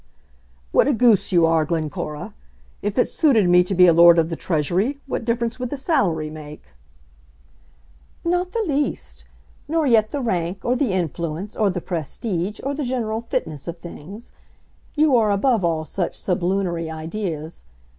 "What a goose you are, Glencora. If it suited me to be a Lord of the Treasury, what difference would the salary make?" "Not the least; nor yet the rank, or the influence, or the prestige, or the general fitness of things. You are above all such sublunary ideas.